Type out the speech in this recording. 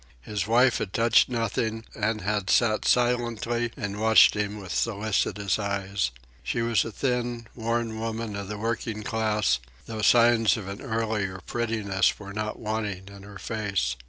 His wife had touched nothing, and had sat silently and watched him with solicitous eyes. She was a thin, worn woman of the working class, though signs of an earlier prettiness were not wanting in her face.